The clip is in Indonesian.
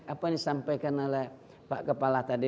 apa yang disampaikan oleh pak kepala tadi